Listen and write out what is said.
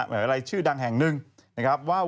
แหมวีอะไรชื่อดังแห่งหนึ่งนะครับว่า